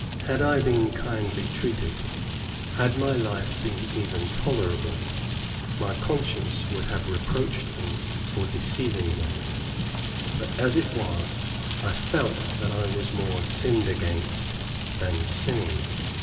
Had I been kindly treated, had my life been even tolerable, my conscience would have reproached me for deceiving them, but as it was, I felt that I was more "sinned against, than sinning."